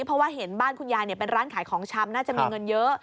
เพราะว่าเห็นบ้านคุณยายเป็นร้านขายของชำน่าจะมีเงินเยอะ